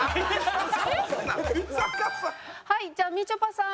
はいじゃあみちょぱさん。